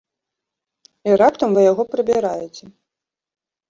І раптам вы яго прыбіраеце.